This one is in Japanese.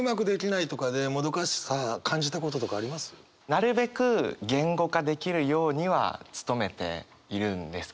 なるべく言語化できるようには努めているんですけど